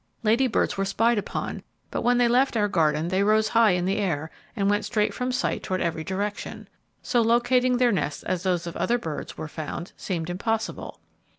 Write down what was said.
Lady Birds were spied upon, but when they left our garden they arose high in air, and went straight from sight toward every direction. So locating their nests as those of other birds were found, seemed impossible.